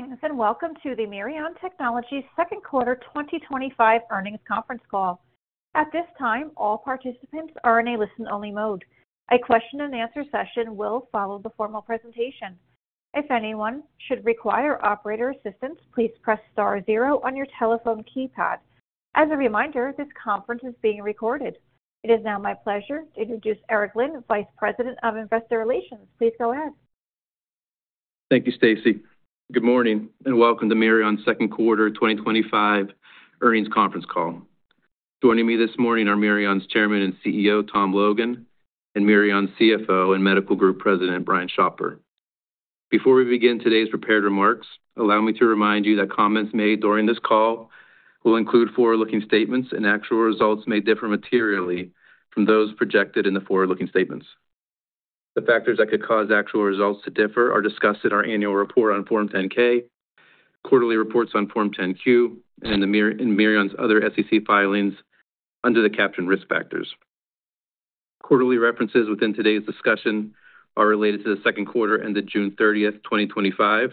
Greetings and welcome to the Mirion Technologies Q2 2025 earnings conference call. At this time, all participants are in a listen-only mode. A Q&A session will follow the formal presentation. If anyone should require operator assistance, please press star zero on your telephone keypad. As a reminder, this conference is being recorded. It is now my pleasure to introduce Eric Linn, Vice President of Investor Relations. Please go ahead. Thank you, Stacey. Good morning and welcome to Mirion's Q2 2025 earnings conference call. Joining me this morning are Mirion's Chairman and CEO, Tom Logan, and Mirion's CFO and Medical Group President, Brian Schopfer. Before we begin today's prepared remarks, allow me to remind you that comments made during this call will include forward-looking statements and actual results may differ materially from those projected in the forward-looking statements. The factors that could cause actual results to differ are discussed in our annual report on Form 10-K, quarterly reports on Form 10-Q, and in Mirion's other SEC filings under the caption Risk Factors. Quarterly references within today's discussion are related to the Q2 ended June 30, 2025,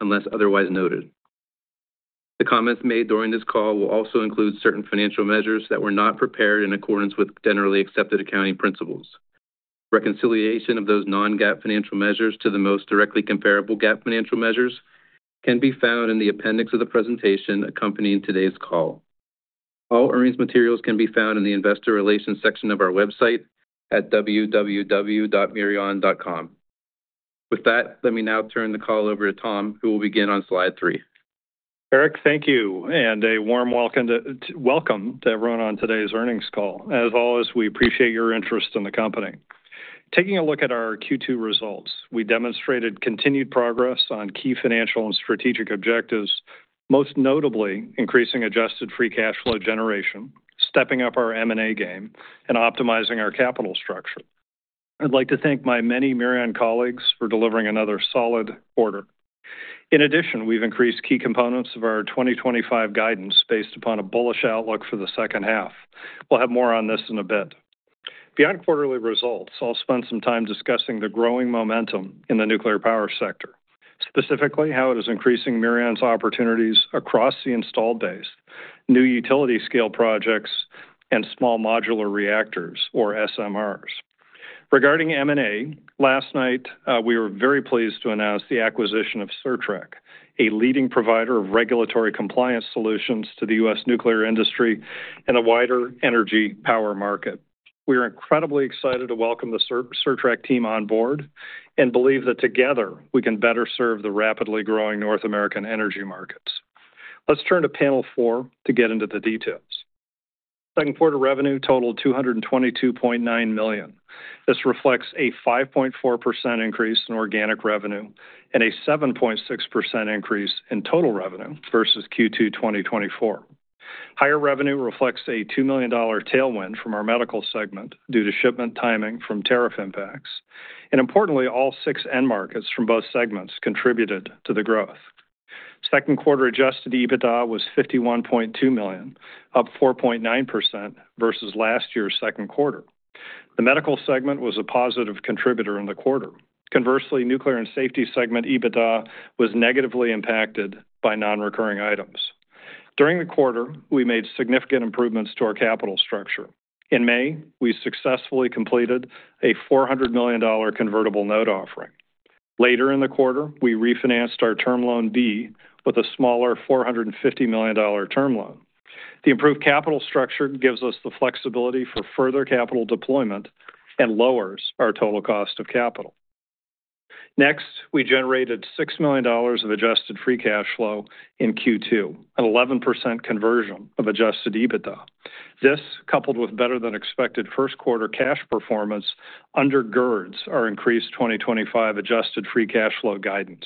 unless otherwise noted. The comments made during this call will also include certain financial measures that were not prepared in accordance with generally accepted accounting principles. Reconciliation of those non-GAAP financial measures to the most directly comparable GAAP financial measures can be found in the appendix of the presentation accompanying today's call. All earnings materials can be found in the Investor Relations section of our website at www.mirion.com. With that, let me now turn the call over to Tom, who will begin on slide three. Eric, thank you and a warm welcome to everyone on today's earnings call. As always, we appreciate your interest in the company. Taking a look at our Q2 results, we demonstrated continued progress on key financial and strategic objectives, most notably increasing adjusted free cash flow generation, stepping up our M&A game, and optimizing our capital structure. I'd like to thank my many Mirion colleagues for delivering another solid quarter. In addition, we've increased key components of our 2025 guidance based upon a bullish outlook for the second half. We'll have more on this in a bit. Beyond quarterly results, I'll spend some time discussing the growing momentum in the nuclear power sector, specifically how it is increasing Mirion's opportunities across the installed base, new utility scale projects, and small modular reactors, or SMRs. Regarding M&A, last night we were very pleased to announce the acquisition of Certrec, a leading provider of regulatory compliance solutions to the U.S. nuclear industry and a wider energy power market. We are incredibly excited to welcome the Certrec team on board and believe that together we can better serve the rapidly growing North American energy markets. Let's turn to panel four to get into the details. Q2 revenue totaled $222.9 million. This reflects a 5.4% increase in organic revenue and a 7.6% increase in total revenue versus Q2 2024. Higher revenue reflects a $2 million tailwind from our medical segment due to shipment timing from tariff impacts. Importantly, all six end markets from both segments contributed to the growth. Q2 adjusted EBITDA was $51.2 million, up 4.9% versus last year's Q2. The medical segment was a positive contributor in the quarter. Conversely, nuclear and safety segment EBITDA was negatively impacted by non-recurring items. During the quarter, we made significant improvements to our capital structure. In May, we successfully completed a $400 million convertible note offering. Later in the quarter, we refinanced our term loan B with a smaller $450 million term loan. The improved capital structure gives us the flexibility for further capital deployment and lowers our total cost of capital. Next, we generated $6 million of adjusted free cash flow in Q2, an 11% conversion of adjusted EBITDA. This, coupled with better than expected Q1 cash performance, undergirds our increased 2025 adjusted free cash flow guidance.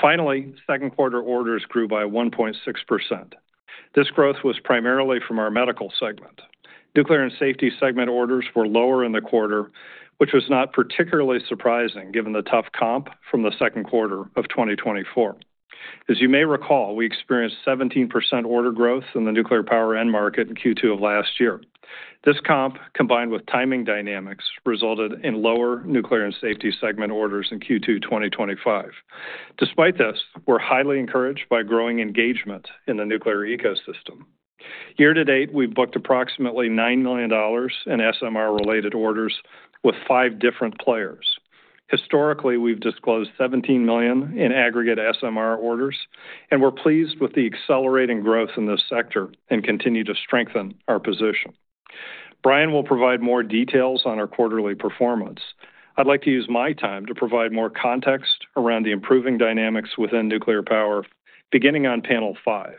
Finally, Q2 orders grew by 1.6%. This growth was primarily from our Medical segment. Nuclear and Safety segment orders were lower in the quarter, which was not particularly surprising given the tough comp from the Q2 of 2024. As you may recall, we experienced 17% order growth in the nuclear power end market in Q2 of last year. This comp, combined with timing dynamics, resulted in lower Nuclear and Safety segment orders in Q2 2025. Despite this, we're highly encouraged by growing engagement in the nuclear ecosystem. year-to-date, we've booked approximately $9 million in SMR-related orders with five different players. Historically, we've disclosed $17 million in aggregate SMR orders, and we're pleased with the accelerating growth in this sector and continue to strengthen our position. Brian will provide more details on our quarterly performance. I'd like to use my time to provide more context around the improving dynamics within nuclear power, beginning on panel five.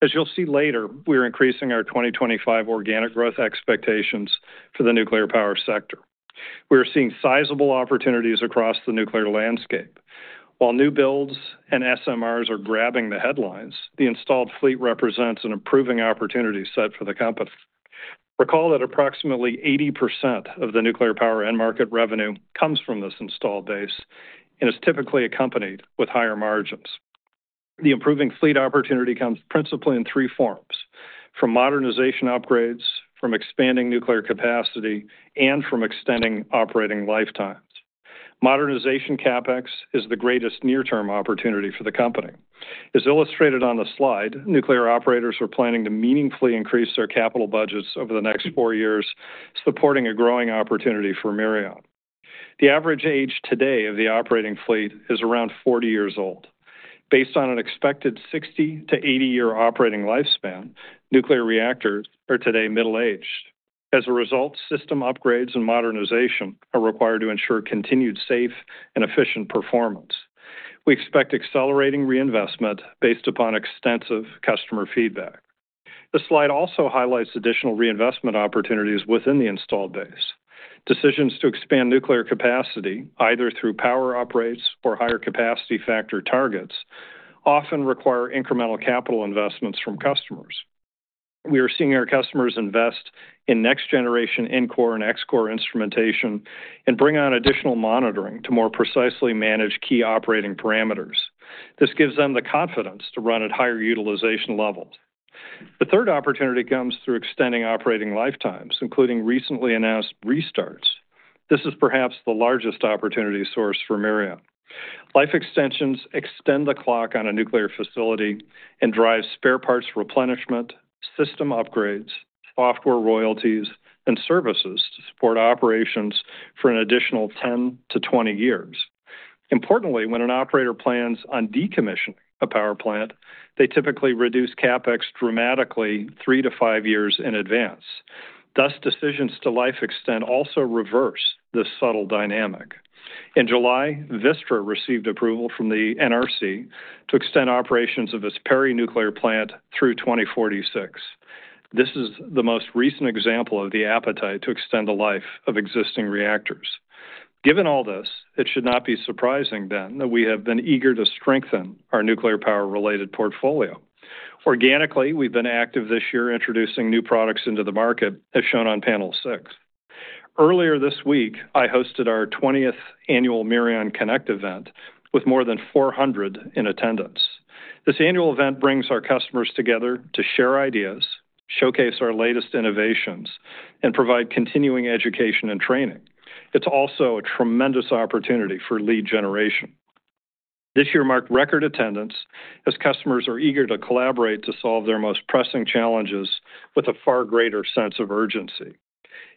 As you'll see later, we are increasing our 2025 organic growth expectations for the nuclear power sector. We are seeing sizable opportunities across the nuclear landscape. While new builds and SMRs are grabbing the headlines, the installed fleet represents an improving opportunity set for the company. Recall that approximately 80% of the nuclear power end market revenue comes from this installed base and is typically accompanied with higher margins. The improving fleet opportunity comes principally in three forms: from modernization upgrades, from expanding nuclear capacity, and from extending operating lifetimes. Modernization CapEx is the greatest near-term opportunity for the company. As illustrated on the slide, nuclear operators are planning to meaningfully increase their capital budgets over the next four years, supporting a growing opportunity for Mirion. The average age today of the operating fleet is around 40 years old. Based on an expected 60-80 year operating lifespan, nuclear reactors are today middle-aged. As a result, system upgrades and modernization are required to ensure continued safe and efficient performance. We expect accelerating reinvestment based upon extensive customer feedback. The slide also highlights additional reinvestment opportunities within the installed base. Decisions to expand nuclear capacity, either through power upgrades or higher capacity factor targets, often require incremental capital investments from customers. We are seeing our customers invest in next-generation NCORE and XCORE instrumentation and bring on additional monitoring to more precisely manage key operating parameters. This gives them the confidence to run at higher utilization levels. The third opportunity comes through extending operating lifetimes, including recently announced restarts. This is perhaps the largest opportunity source for Mirion. Life extensions extend the clock on a nuclear facility and drive spare parts replenishment, system upgrades, software royalties, and services to support operations for an additional 10 years-20 years. Importantly, when an operator plans on decommissioning a power plant, they typically reduce CapEx dramatically three to five years in advance. Thus, decisions to life extend also reverse this subtle dynamic. In July, Vistra received approval from the NRC to extend operations of its perinuclear plant through 2046. This is the most recent example of the appetite to extend the life of existing reactors. Given all this, it should not be surprising then that we have been eager to strengthen our nuclear power-related portfolio. Organically, we've been active this year introducing new products into the market, as shown on panel six. Earlier this week, I hosted our 20th annual Mirion Connect event with more than 400 in attendance. This annual event brings our customers together to share ideas, showcase our latest innovations, and provide continuing education and training. It's also a tremendous opportunity for lead generation. This year marked record attendance as customers are eager to collaborate to solve their most pressing challenges with a far greater sense of urgency.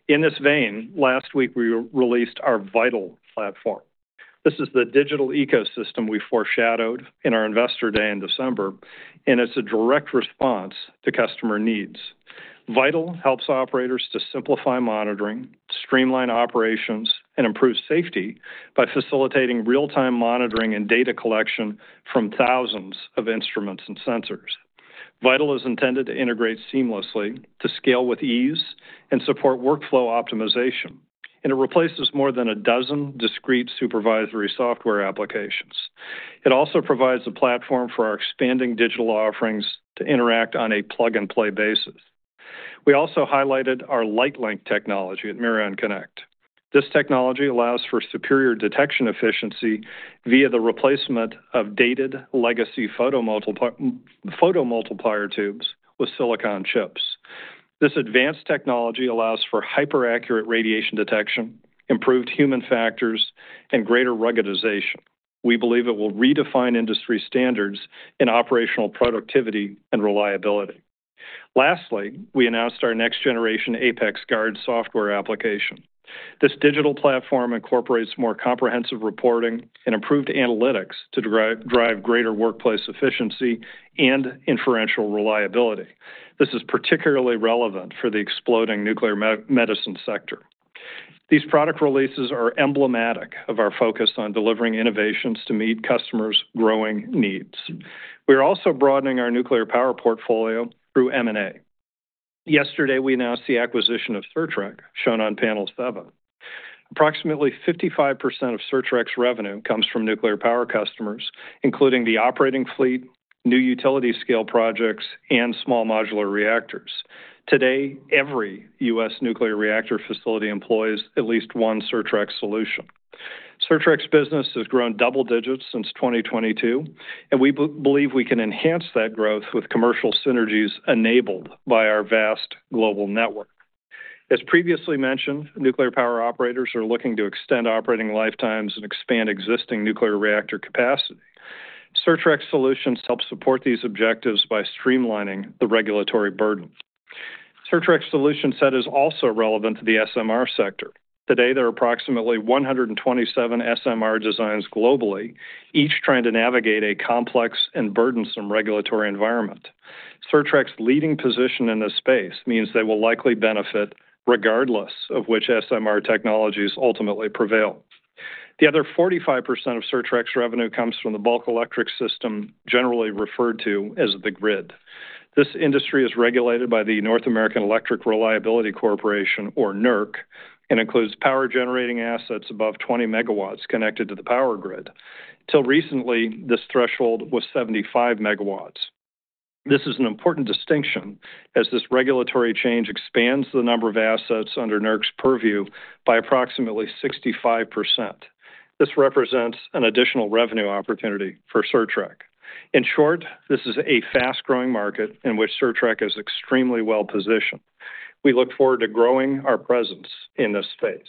In this vein, last week we released our Vital platform. This is the digital ecosystem we foreshadowed in our Investor Day in December, and it's a direct response to customer needs. Vital helps operators to simplify monitoring, streamline operations, and improve safety by facilitating real-time monitoring and data collection from thousands of instruments and sensors. Vital is intended to integrate seamlessly, to scale with ease, and support workflow optimization, and it replaces more than a dozen discrete supervisory software applications. It also provides a platform for our expanding digital offerings to interact on a plug-and-play basis. We also highlighted our LightLink technology at Mirion Connect. This technology allows for superior detection efficiency via the replacement of dated legacy photomultiplier tubes with silicon chips. This advanced technology allows for hyper-accurate radiation detection, improved human factors, and greater ruggedization. We believe it will redefine industry standards in operational productivity and reliability. Lastly, we announced our next-generation Apex-Guard software application. This digital platform incorporates more comprehensive reporting and improved analytics to drive greater workplace efficiency and inferential reliability. This is particularly relevant for the exploding nuclear medicine sector. These product releases are emblematic of our focus on delivering innovations to meet customers' growing needs. We are also broadening our nuclear power portfolio through M&A. Yesterday, we announced the acquisition of Certrec, shown on panel seven. Approximately 55% of Certrec's revenue comes from nuclear power customers, including the operating fleet, new utility scale projects, and small modular reactors. Today, every U.S. nuclear reactor facility employs at least one Certrec solution. Certrec's business has grown double-digits since 2022, and we believe we can enhance that growth with commercial synergies enabled by our vast global network. As previously mentioned, nuclear power operators are looking to extend operating lifetimes and expand existing nuclear reactor capacity. Certrec solutions help support these objectives by streamlining the regulatory burden. Certrec's solution set is also relevant to the SMR sector. Today, there are approximately 127 SMR designs globally, each trying to navigate a complex and burdensome regulatory environment. Certrec's leading position in this space means they will likely benefit regardless of which SMR technologies ultimately prevail. The other 45% of Certrec's revenue comes from the bulk electric system, generally referred to as the grid. This industry is regulated by the North American Electric Reliability Corporation, or NERC, and includes power generating assets above 20 MW connected to the power grid. Until recently, this threshold was 75 MW. This is an important distinction as this regulatory change expands the number of assets under NERC's purview by approximately 65%. This represents an additional revenue opportunity for Certrec. In short, this is a fast-growing market in which Certrec is extremely well positioned. We look forward to growing our presence in this space.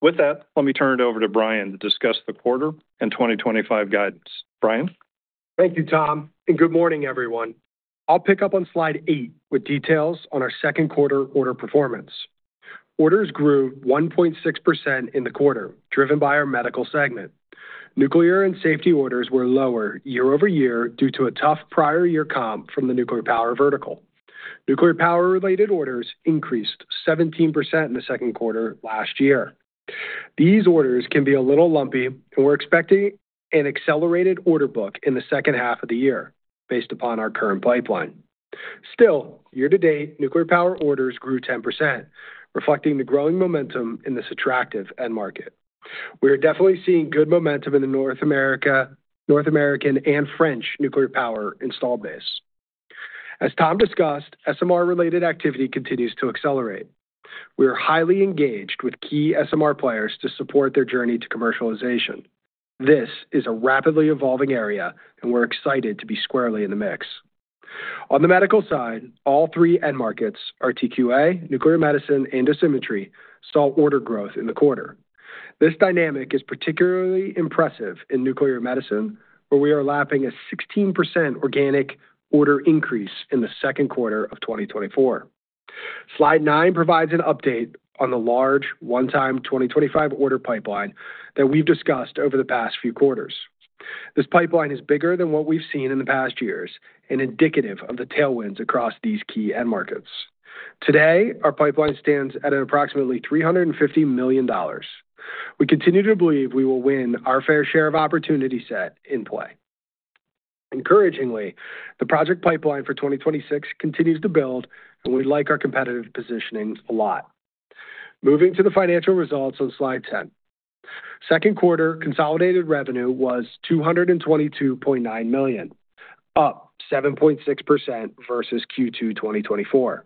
With that, let me turn it over to Brian to discuss the quarter and 2025 guidance. Brian. Thank you, Tom, and good morning, everyone. I'll pick up on slide eight with details on our Q2 order performance. Orders grew 1.6% in the quarter, driven by our medical segment. Nuclear and safety orders were lower year-over-year due to a tough prior year comp from the nuclear power vertical. Nuclear power-related orders increased 17% in the Q2 last year. These orders can be a little lumpy, and we're expecting an accelerated order book in the second half of the year based upon our current pipeline. Still, year-to-date, nuclear power orders grew 10%, reflecting the growing momentum in this attractive end market. We are definitely seeing good momentum in the North American and French nuclear power installed base. As Tom discussed, SMR-related activity continues to accelerate. We are highly engaged with key SMR players to support their journey to commercialization. This is a rapidly evolving area, and we're excited to be squarely in the mix. On the medical side, all three-end markets, RTQA, nuclear medicine, and dosimetry, saw order growth in the quarter. This dynamic is particularly impressive in nuclear medicine, where we are lapping a 16% organic order increase in the Q2 of 2024. Slide nine provides an update on the large one-time 2025 order pipeline that we've discussed over the past few quarters. This pipeline is bigger than what we've seen in the past years and indicative of the tailwinds across these key end markets. Today, our pipeline stands at approximately $350 million. We continue to believe we will win our fair share of opportunity set in play. Encouragingly, the project pipeline for 2026 continues to build, and we like our competitive positioning a lot. Moving to the financial results on slide ten. Q2 consolidated revenue was $222.9 million, up 7.6% versus Q2 2024.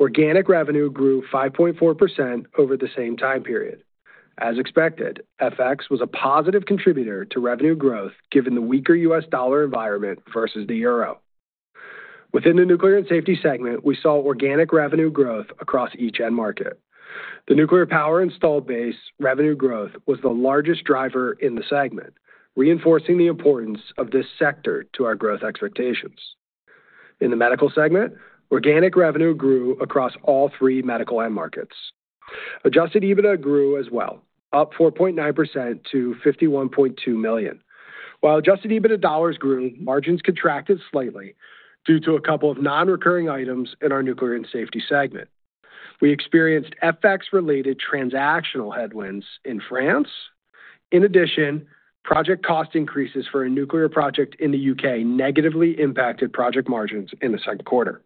Organic revenue grew 5.4% over the same time period. As expected, FX was a positive contributor to revenue growth given the weaker U.S. dollar environment versus the EUR. Within the nuclear and safety segment, we saw organic revenue growth across each end market. The nuclear power installed base revenue growth was the largest driver in the segment, reinforcing the importance of this sector to our growth expectations. In the medical segment, organic revenue grew across all three medical end markets. Adjusted EBITDA grew as well, up 4.9% to $51.2 million. While adjusted EBITDA dollars grew, margins contracted slightly due to a couple of non-recurring items in our Nuclear and Safety segment. We experienced FX-related transactional headwinds in France. In addition, project cost increases for a nuclear project in the UK negatively impacted project margins in the Q2.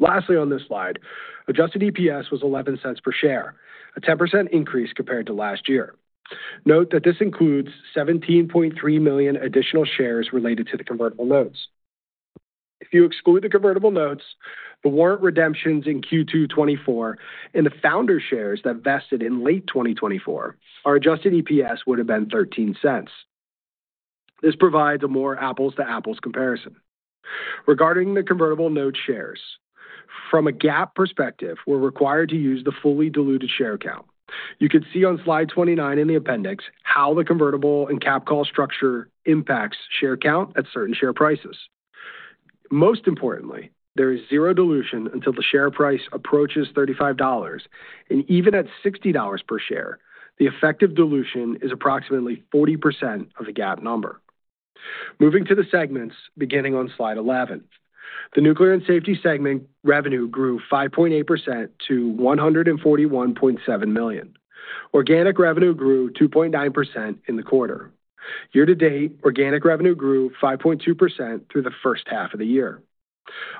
Lastly, on this slide, adjusted EPS was $0.11 per share, a 10% increase compared to last year. Note that this includes 17.3 million additional shares related to the convertible notes. If you exclude the convertible notes, the warrant redemptions in Q2 2024, and the founder shares that vested in late 2024, our adjusted EPS would have been $0.13. This provides a more apples-to-apples comparison. Regarding the convertible note shares, from a GAAP perspective, we're required to use the fully diluted share count. You can see on slide 29 in the appendix how the convertible and cap call structure impacts share count at certain share prices. Most importantly, there is zero dilution until the share price approaches $35, and even at $60 per share, the effective dilution is approximately 40% of the GAAP number. Moving to the segments beginning on slide 11, the Nuclear and Safety segment revenue grew 5.8% to $141.7 million. Organic revenue grew 2.9% in the quarter. year-to-date, organic revenue grew 5.2% through the first half of the year.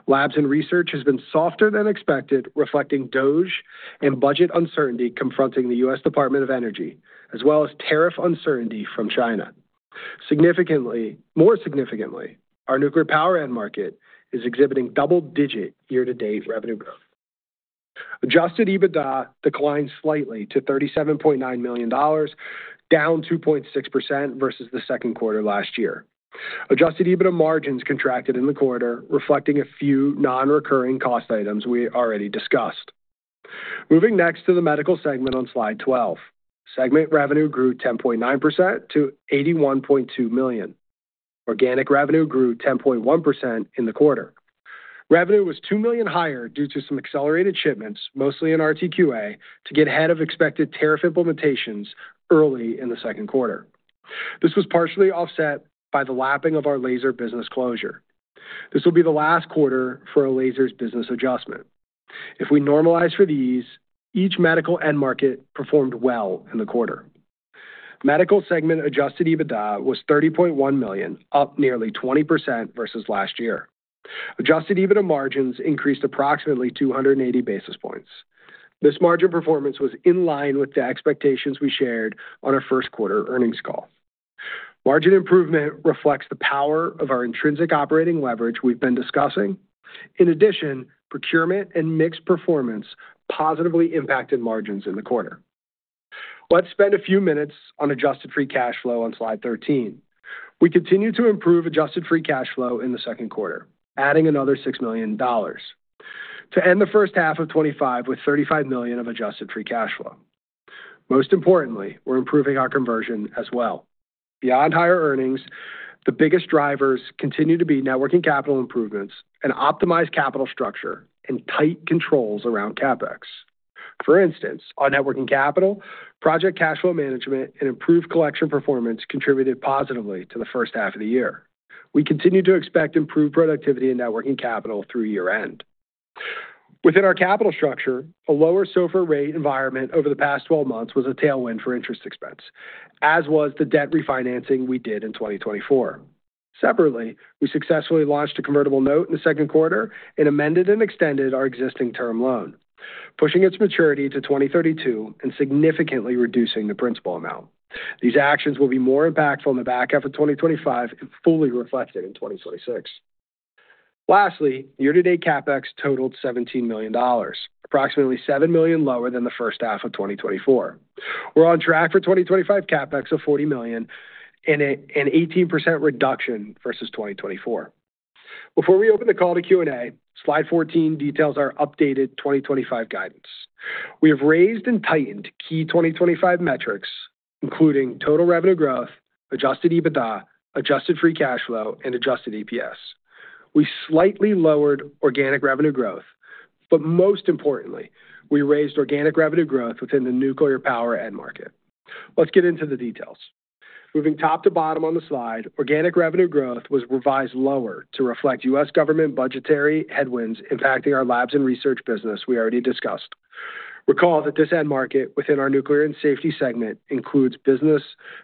Labs and research has been softer than expected, reflecting DOE and budget uncertainty confronting the U.S. Department of Energy, as well as tariff uncertainty from China. Significantly, more significantly, our nuclear power end market is exhibiting double-digit year-to-date revenue growth. Adjusted EBITDA declined slightly to $37.9 million, down 2.6% versus the Q2 last year. Adjusted EBITDA margins contracted in the quarter, reflecting a few non-recurring cost items we already discussed. Moving next to the Medical segment on slide 12, segment revenue grew 10.9% to $81.2 million. Organic revenue grew 10.1% in the quarter. Revenue was $2 million higher due to some accelerated shipments, mostly in RRTQA, to get ahead of expected tariff implementations early in the Q2. This was partially offset by the lapping of our laser business closure. This will be the last quarter for a laser's business adjustment. If we normalize for these, each medical end market performed well in the quarter. Medical segment adjusted EBITDA was $30.1 million, up nearly 20% versus last year. Adjusted EBITDA margins increased approximately 280 basis points. This margin performance was in line with the expectations we shared on our Q1 earnings call. Margin improvement reflects the power of our intrinsic operating leverage we've been discussing. In addition, procurement and mix performance positively impacted margins in the quarter. Let's spend a few minutes on adjusted free cash flow on slide 13. We continue to improve adjusted free cash flow in the Q2, adding another $6 million to end the first half of 2025 with $35 million of adjusted free cash flow. Most importantly, we're improving our conversion as well. Beyond higher earnings, the biggest drivers continue to be net working capital improvements and optimized capital structure and tight controls around CapEx. For instance, our net working capital, project cash flow management, and improved collection performance contributed positively to the first half of the year. We continue to expect improved productivity and net working capital through year-end. Within our capital structure, a lower SOFR rate environment over the past 12 months was a tailwind for interest expense, as was the debt refinancing we did in 2024. Separately, we successfully launched a convertible note in the Q2 and amended and extended our existing term loan, pushing its maturity to 2032 and significantly reducing the principal amount. These actions will be more impactful in the back half of 2025 and fully reflected in 2026. Lastly, year-to-date CapEx totaled $17 million, approximately $7 million lower than the first half of 2024. We're on track for 2025 CapEx of $40 million and an 18% reduction versus 2024. Before we open the call to Q&A, slide 14 details our updated 2025 guidance. We have raised and tightened key 2025 metrics, including total revenue growth, adjusted EBITDA, adjusted free cash flow, and adjusted EPS. We slightly lowered organic revenue growth, but most importantly, we raised organic revenue growth within the nuclear power end market. Let's get into the details. Moving top to bottom on the slide, organic revenue growth was revised lower to reflect U.S. government budgetary headwinds impacting our labs and research business we already discussed. Recall that this end market within our nuclear and safety segment includes business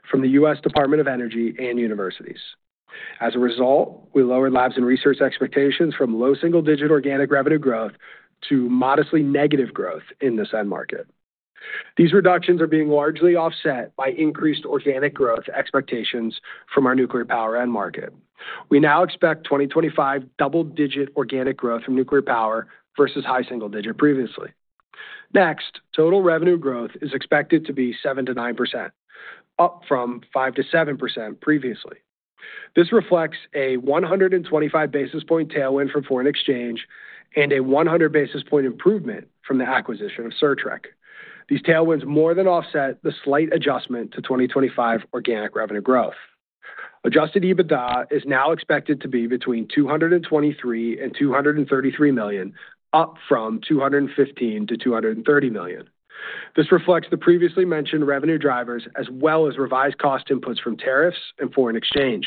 from the U.S. Department of Energy and universities. As a result, we lowered labs and research expectations from low single-digit organic revenue growth to modestly negative growth in this end market. These reductions are being largely offset by increased organic growth expectations from our nuclear power end market. We now expect 2025 double-digit organic growth from nuclear power versus high single-digit previously. Next, total revenue growth is expected to be 7% to 9%, up from 5% to 7% previously. This reflects a 125 basis point tailwind from foreign exchange and a 100 basis point improvement from the acquisition of Certrec. These tailwinds more than offset the slight adjustment to 2025 organic revenue growth. Adjusted EBITDA is now expected to be between $223 million and $233 million, up from $215 million to $230 million. This reflects the previously mentioned revenue drivers as well as revised cost inputs from tariffs and foreign exchange.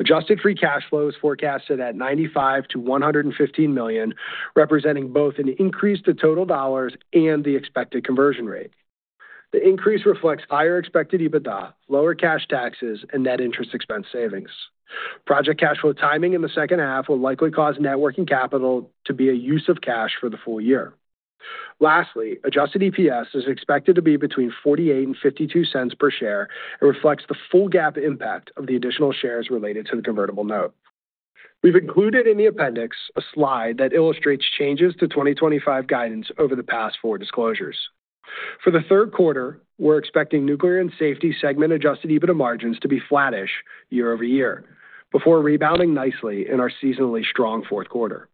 Adjusted free cash flow is forecasted at $95 million-$115 million, representing both an increase to total dollars and the expected conversion rate. The increase reflects higher expected EBITDA, lower cash taxes, and net interest expense savings. Project cash flow timing in the second half will likely cause net working capital to be a use of cash for the full year. Lastly, adjusted EPS is expected to be between $0.48 and $0.52 per share and reflects the full GAAP impact of the additional shares related to the convertible note. We've included in the appendix a slide that illustrates changes to 2025 guidance over the past four disclosures. For the Q3, we're expecting nuclear and safety segment adjusted EBITDA margins to be flattish year-over-year before rebounding nicely in our seasonally strong Q4.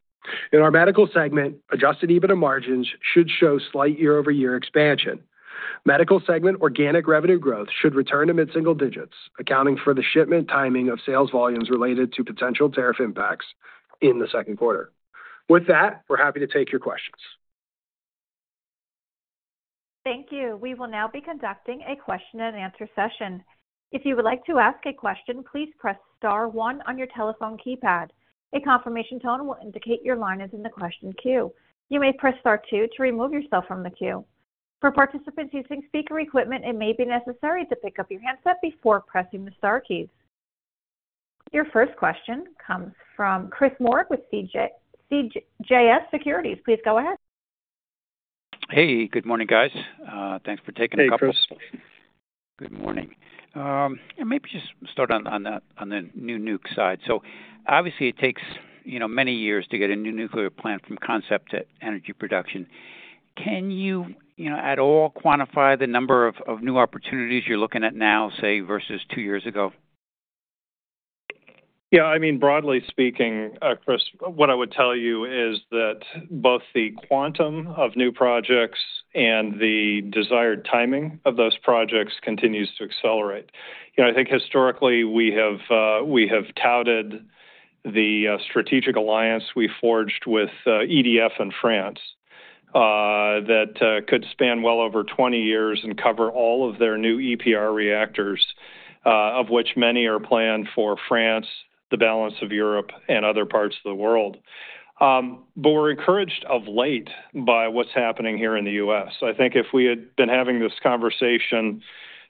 In our medical segment, adjusted EBITDA margins should show slight year-over-year expansion. Medical segment organic revenue growth should return to mid-single-digits, accounting for the shipment timing of sales volumes related to potential tariff impacts in the Q2. With that, we're happy to take your questions. Thank you. We will now be conducting a Q&A session. If you would like to ask a question, please press star one on your telephone keypad. A confirmation tone will indicate your line is in the question queue. You may press star two to remove yourself from the queue. For participants using speaker equipment, it may be necessary to pick up your headset before pressing the star keys. Your first question comes from Chris Moore with CJS Securities. Please go ahead. Hey, good morning, guys. Thanks for taking a couple of questions. Good morning. Maybe just start on the new nuke side. Obviously, it takes many years to get a new nuclear plant from concept to energy production. Can you at all quantify the number of new opportunities you're looking at now, say, versus two years ago? Yeah, I mean, broadly speaking, Chris, what I would tell you is that both the quantum of new projects and the desired timing of those projects continues to accelerate. I think historically, we have touted the strategic alliance we forged with EDF in France that could span well over 20 years and cover all of their new EPR reactors, of which many are planned for France, the balance of Europe, and other parts of the world. We're encouraged of late by what's happening here in the U.S. I think if we had been having this conversation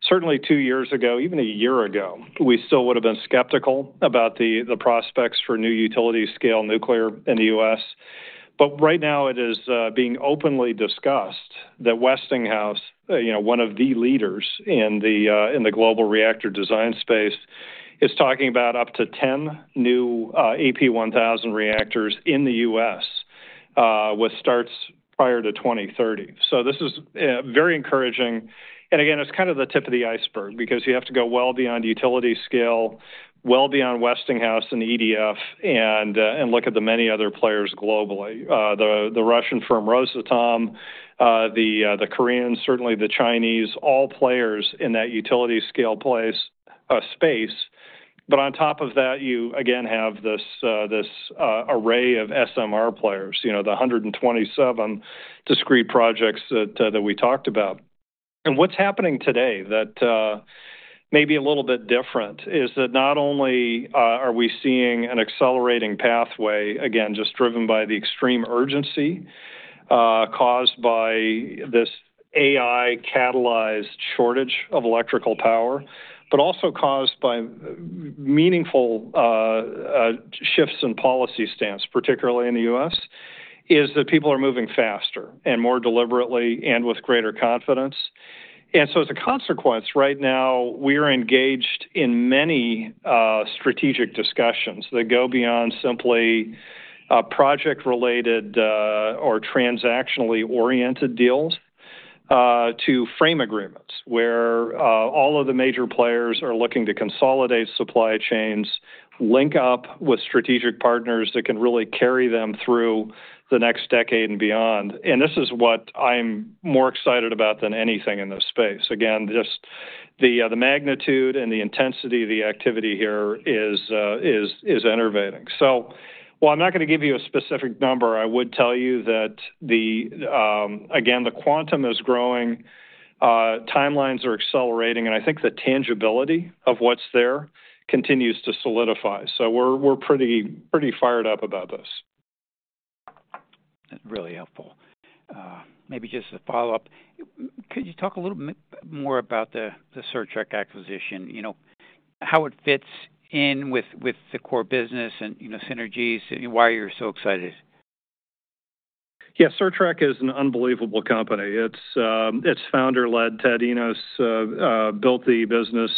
certainly two years ago, even a year ago, we still would have been skeptical about the prospects for new utility scale nuclear in the U.S. Right now, it is being openly discussed that Westinghouse, one of the leaders in the global reactor design space, is talking about up to 10 new AP1000 reactors in the U.S. with starts prior to 2030. This is very encouraging. It's kind of the tip of the iceberg because you have to go well beyond utility scale, well beyond Westinghouse and EDF, and look at the many other players globally. The Russian firm Rosatom, the Koreans, certainly the Chinese, all players in that utility scale space. On top of that, you again have this array of SMR players, the 127 discrete projects that we talked about. What's happening today that may be a little bit different is that not only are we seeing an accelerating pathway, just driven by the extreme urgency caused by this AI-catalyzed shortage of electrical power, but also caused by meaningful shifts in policy stance, particularly in the U.S., is that people are moving faster and more deliberately and with greater confidence. As a consequence, right now, we are engaged in many strategic discussions that go beyond simply project-related or transactionally oriented deals to frame agreements where all of the major players are looking to consolidate supply chains, link up with strategic partners that can really carry them through the next decade and beyond. This is what I'm more excited about than anything in this space. Just the magnitude and the intensity of the activity here is innovating. While I'm not going to give you a specific number, I would tell you that the quantum is growing, timelines are accelerating, and I think the tangibility of what's there continues to solidify. We're pretty fired up about this. Really helpful. Maybe just a follow-up. Could you talk a little bit more about the Certrec acquisition, you know, how it fits in with the core business and synergies and why you're so excited? Yeah, Certrec is an unbelievable company. It's founder-led. Ted Enos built the business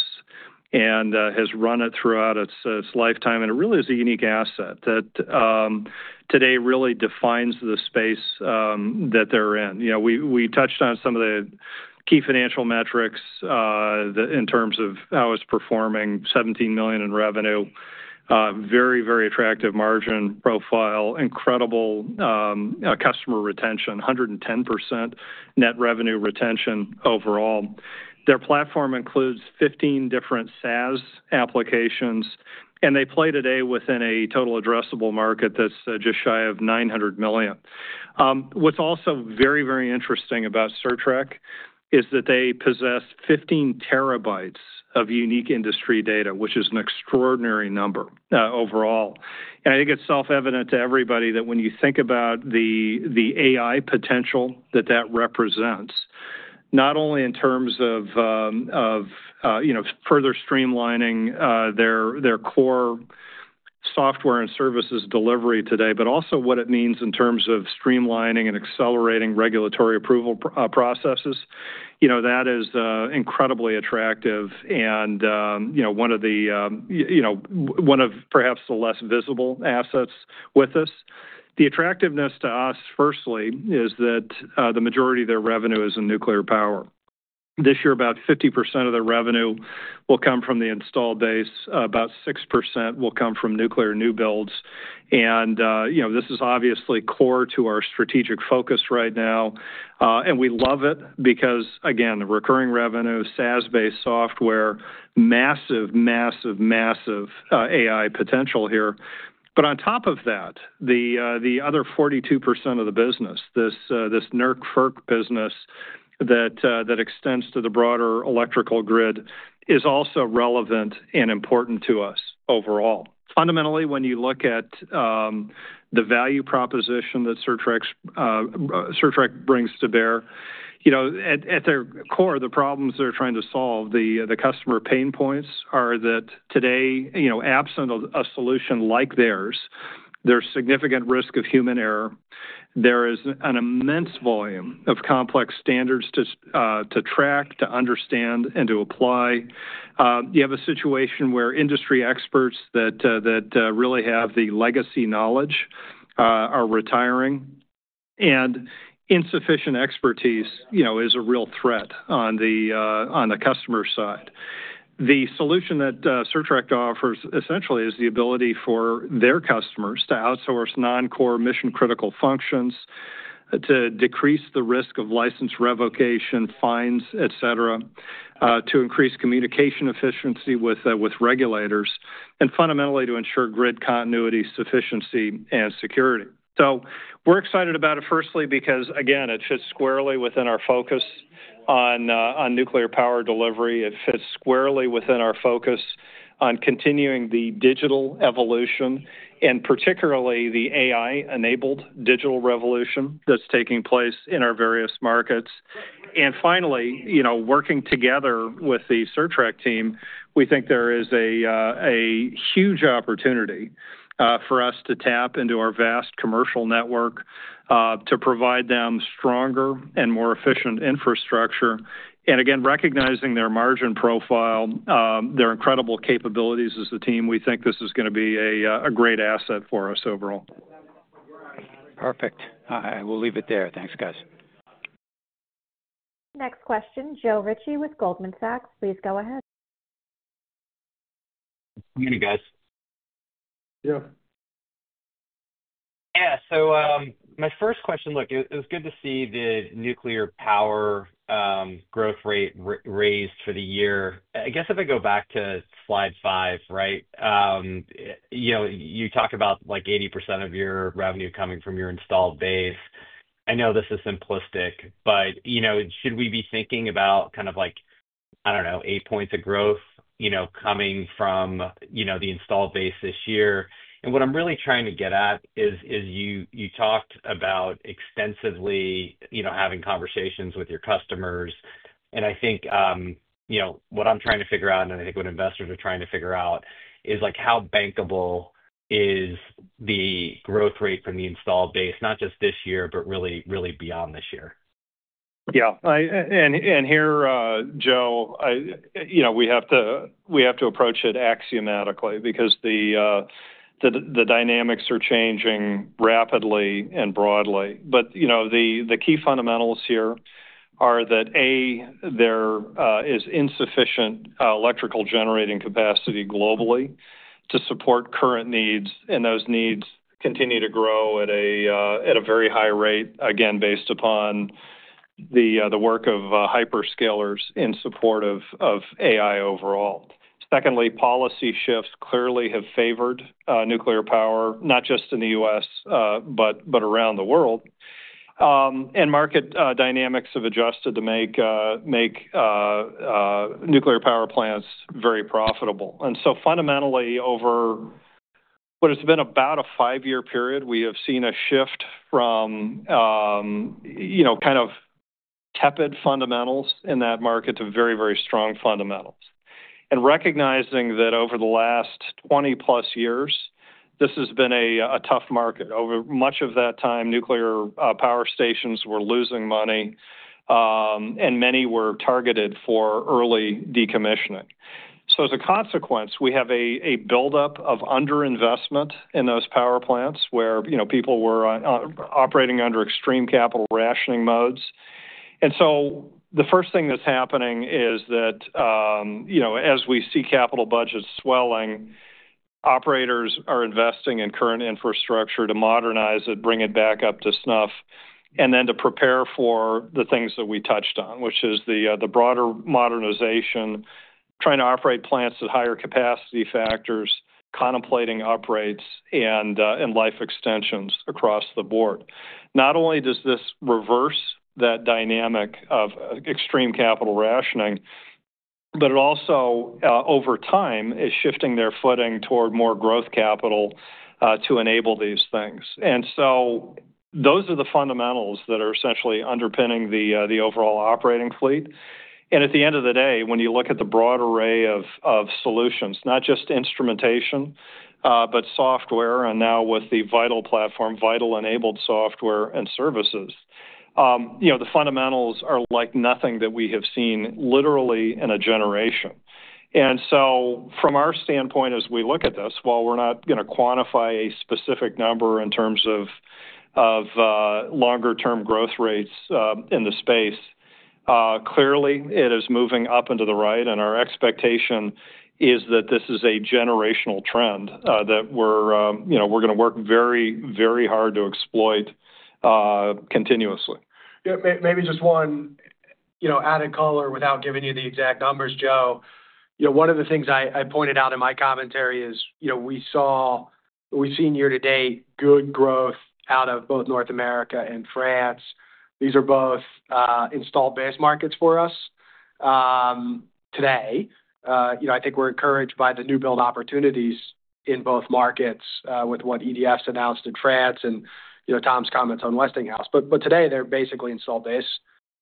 and has run it throughout its lifetime. It really is a unique asset that today really defines the space that they're in. We touched on some of the key financial metrics in terms of how it's performing: $17 million in revenue, very, very attractive margin profile, incredible customer retention, 110% net revenue retention overall. Their platform includes 15 different SaaS applications, and they play today within a total addressable market that's just shy of $900 million. What's also very, very interesting about Certrec is that they possess 15 TB of unique industry data, which is an extraordinary number overall. I think it's self-evident to everybody that when you think about the AI potential that that represents, not only in terms of further streamlining their core software and services delivery today, but also what it means in terms of streamlining and accelerating regulatory approval processes. That is incredibly attractive and one of perhaps the less visible assets with us. The attractiveness to us, firstly, is that the majority of their revenue is in nuclear power. This year, about 50% of their revenue will come from the installed base, about 6% will come from nuclear new builds. This is obviously core to our strategic focus right now. We love it because, again, the recurring revenue, SaaS-based software, massive, massive, massive AI potential here. On top of that, the other 42% of the business, this NERC-FERC business that extends to the broader electrical grid, is also relevant and important to us overall. Fundamentally, when you look at the value proposition that Certrec brings to bear, at their core, the problems they're trying to solve, the customer pain points are that today, absent a solution like theirs, there's significant risk of human error. There is an immense volume of complex standards to track, to understand, and to apply. You have a situation where industry experts that really have the legacy knowledge are retiring, and insufficient expertise is a real threat on the customer side. The solution that Certrec offers essentially is the ability for their customers to outsource non-core mission-critical functions, to decrease the risk of license revocation, fines, etc., to increase communication efficiency with regulators, and fundamentally to ensure grid continuity, sufficiency, and security. We are excited about it, firstly, because again, it fits squarely within our focus on nuclear power delivery. It fits squarely within our focus on continuing the digital evolution and particularly the AI-enabled digital revolution that's taking place in our various markets. Finally, you know, working together with the Certrec team, we think there is a huge opportunity for us to tap into our vast commercial network to provide them stronger and more efficient infrastructure. Again, recognizing their margin profile, their incredible capabilities as a team, we think this is going to be a great asset for us overall. Perfect. I will leave it there. Thanks, guys. Next question, Joe Ritchie with Goldman Sachs. Please go ahead. Good morning, guys. Joe. Yeah, so my first question, look, it was good to see the nuclear power growth rate raised for the year. I guess if I go back to slide five, right, you know, you talk about like 80% of your revenue coming from your installed base. I know this is simplistic, but you know, should we be thinking about kind of like, I don't know, eight points of growth, you know, coming from, you know, the installed base this year? What I'm really trying to get at is you talked about extensively, you know, having conversations with your customers. I think, you know, what I'm trying to figure out, and I think what investors are trying to figure out is like how bankable is the growth rate from the installed base, not just this year, but really, really beyond this year. Yeah, and here, Joe, we have to approach it axiomatically because the dynamics are changing rapidly and broadly. The key fundamentals here are that, A, there is insufficient electrical generating capacity globally to support current needs, and those needs continue to grow at a very high rate, again, based upon the work of hyperscalers in support of AI overall. Secondly, policy shifts clearly have favored nuclear power, not just in the U.S., but around the world. Market dynamics have adjusted to make nuclear power plants very profitable. Fundamentally, over what has been about a five-year period, we have seen a shift from kind of tepid fundamentals in that market to very, very strong fundamentals. Recognizing that over the last 20+ years, this has been a tough market. Over much of that time, nuclear power stations were losing money, and many were targeted for early decommissioning. As a consequence, we have a buildup of underinvestment in those power plants where people were operating under extreme capital rationing modes. The first thing that's happening is that as we see capital budgets swelling, operators are investing in current infrastructure to modernize it, bring it back up to snuff, and then to prepare for the things that we touched on, which is the broader modernization, trying to operate plants at higher capacity factors, contemplating uprates and life extensions across the board. Not only this reverse that dynamic of extreme capital rationing, but it also, over time, is shifting their footing toward more growth capital to enable these things. Those are the fundamentals that are essentially underpinning the overall operating fleet. At the end of the day, when you look at the broad array of solutions, not just instrumentation, but software, and now with the Vital platform, Vital-enabled software and services, the fundamentals are like nothing that we have seen literally in a generation. From our standpoint, as we look at this, while we're not going to quantify a specific number in terms of longer-term growth rates in the space, clearly it is moving up and to the right, and our expectation is that this is a generational trend that we're going to work very, very hard to exploit continuously. Yeah, maybe just one added color without giving you the exact numbers, Joe. One of the things I pointed out in my commentary is, we've seen year-to-date good growth out of both North America and France. These are both installed base markets for us today. I think we're encouraged by the new build opportunities in both markets with what EDF's announced in France and Tom's comments on Westinghouse. Today, they're basically installed base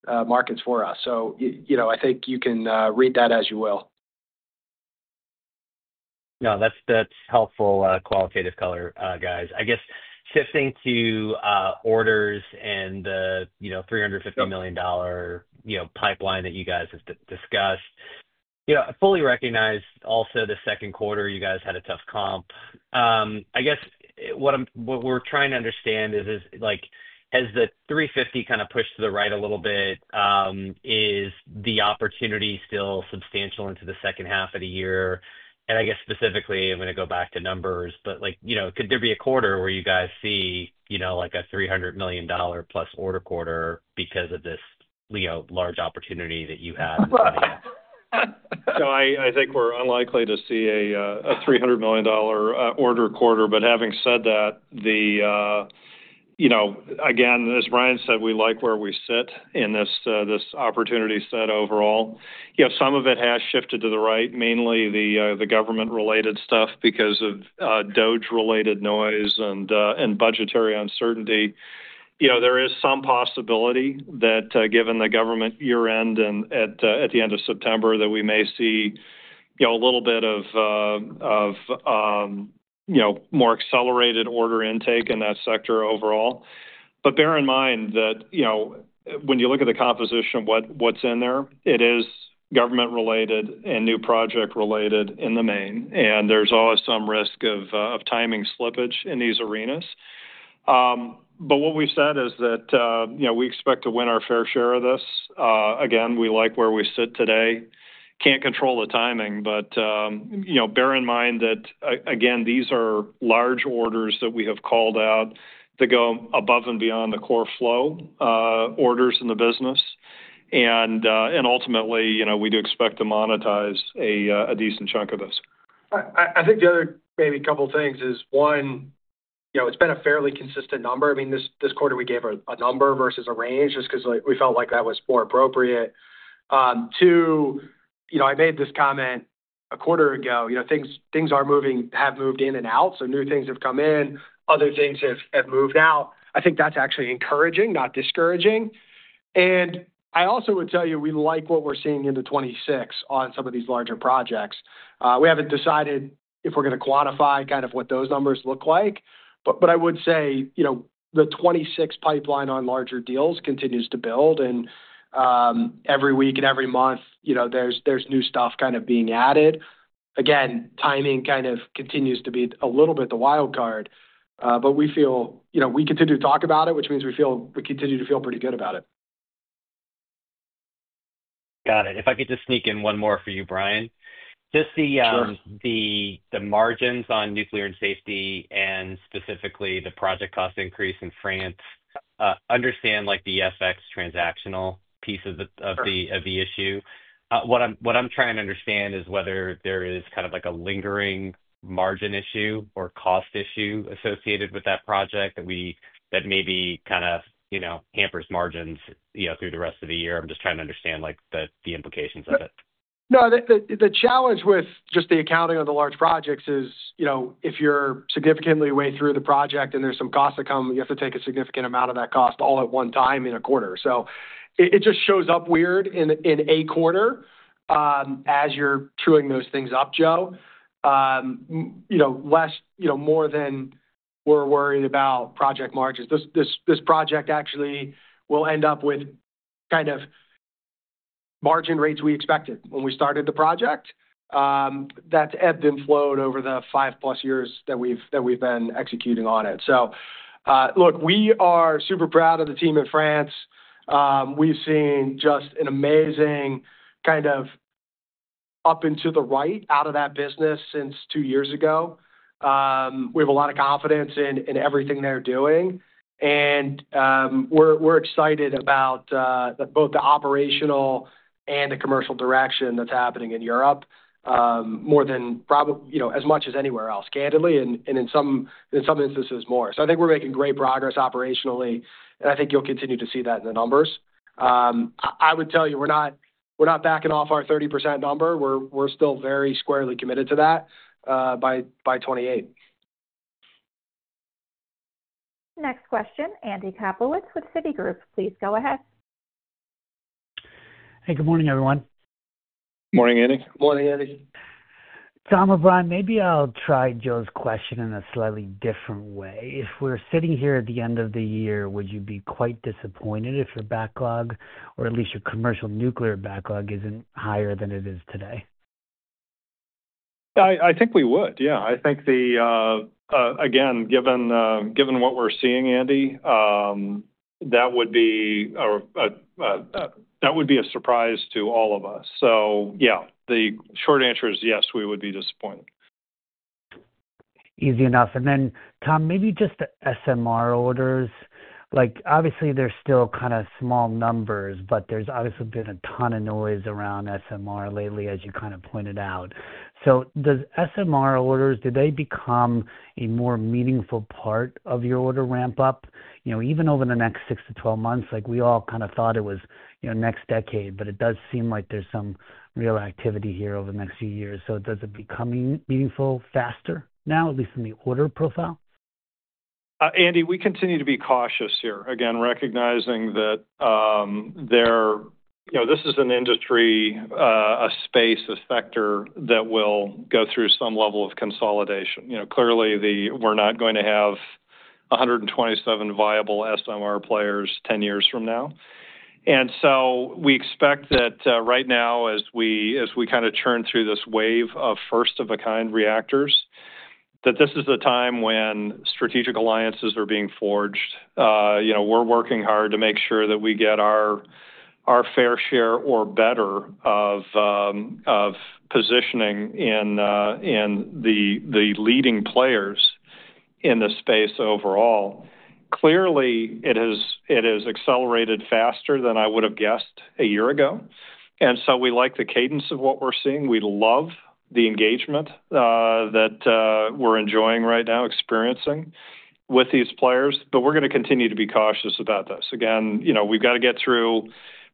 markets for us. I think you can read that as you will. No, that's helpful qualitative color, guys. I guess shifting to orders and the $350 million pipeline that you guys have discussed, I fully recognize also the Q2 you guys had a tough comp. I guess what we're trying to understand is, has the $350 million kind of pushed to the right a little bit? Is the opportunity still substantial into the second half of the year? I guess specifically, I'm going to go back to numbers, but could there be a quarter where you guys see a $300 million+ order quarter because of this large opportunity that you had? I think we're unlikely to see a $300 million order quarter. Having said that, as Brian said, we like where we sit in this opportunity set overall. Some of it has shifted to the right, mainly the government-related stuff because of DOE-related noise and budgetary uncertainty. There is some possibility that given the government year-end at the end of September, we may see a little bit of more accelerated order intake in that sector overall. Bear in mind that when you look at the composition of what's in there, it is government-related and new project-related in the main. There's always some risk of timing slippage in these arenas. What we've said is that we expect to win our fair share of this. Again, we like where we sit today. Can't control the timing, but bear in mind that these are large orders that we have called out that go above and beyond the core flow orders in the business. Ultimately, we do expect to monetize a decent chunk of this. I thinkc the other maybe a couple of things is, one, you know, it's been a fairly consistent number. This quarter we gave a number versus a range just because we felt like that was more appropriate. Two, I made this comment a quarter ago, you know, things are moving, have moved in and out. New things have come in, other things have moved out. I think that's actually encouraging, not discouraging. I also would tell you, we like what we're seeing in 2026 on some of these larger projects. We haven't decided if we're going to quantify kind of what those numbers look like. I would say, you know, the 2026 pipeline on larger deals continues to build, and every week and every month, you know, there's new stuff kind of being added. Timing kind of continues to be a little bit the wild card. We feel, you know, we continue to talk about it, which means we feel we continue to feel pretty good about it. Got it. If I could just sneak in one more for you, Brian. Just the margins on nuclear and safety and specifically the project cost increase in France, I understand the FX transactional piece of the issue. What I'm trying to understand is whether there is kind of a lingering margin issue or cost issue associated with that project that maybe hampers margins through the rest of the year. I'm just trying to understand the implications of it. No, the challenge with just the accounting of the large projects is, you know, if you're significantly way through the project and there's some costs to come, you have to take a significant amount of that cost all at one time in a quarter. It just shows up weird in a quarter as you're chewing those things up, Joe. Less, you know, more than we're worried about project margins. This project actually will end up with kind of margin rates we expected when we started the project. That's ebbed and flowed over the 5+ years that we've been executing on it. Look, we are super proud of the team in France. We've seen just an amazing kind of up into the right out of that business since two years ago. We have a lot of confidence in everything they're doing. We're excited about both the operational and the commercial direction that's happening in Europe, more than probably, you know, as much as anywhere else, candidly, and in some instances more. I think we're making great progress operationally. I think you'll continue to see that in the numbers. I would tell you, we're not backing off our 30% number. We're still very squarely committed to that by 2028. Next question, Andy Kaplowitz with Citigroup. Please go ahead. Hey, good morning, everyone. Morning, Andy. Morning, Andy. Tom or Brian, maybe I'll try Joe's question in a slightly different way. If we're sitting here at the end of the year, would you be quite disappointed if your backlog, or at least your commercial nuclear backlog, isn't higher than it is today? I think we would. I think, again, given what we're seeing, Andy, that would be a surprise to all of us. The short answer is yes, we would be disappointed. Easy enough. Tom, maybe just the SMR orders. Obviously, they're still kind of small numbers, but there's obviously been a ton of noise around SMR lately, as you kind of pointed out. Do SMR orders become a more meaningful part of your order ramp-up, even over the next 6m months-12 months? We all kind of thought it was next decade, but it does seem like there's some real activity here over the next few years. Does it become meaningful faster now, at least in the order profile? Andy, we continue to be cautious here, again, recognizing that this is an industry, a space, a sector that will go through some level of consolidation. Clearly, we're not going to have 127 viable SMR players 10 years from now. We expect that right now, as we kind of churn through this wave of first-of-a-kind reactors, this is the time when strategic alliances are being forged. We're working hard to make sure that we get our fair share or better of positioning in the leading players in the space overall. Clearly, it has accelerated faster than I would have guessed a year ago. We like the cadence of what we're seeing. We love the engagement that we're enjoying right now, experiencing with these players. We're going to continue to be cautious about this. We've got to get through